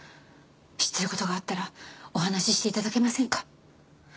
知ってる事があったらお話しして頂けませんか？